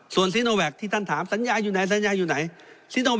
ส่วนซีโนแวคที่ท่านถามสัญญาอยู่ไหนสัญญาอยู่ไหน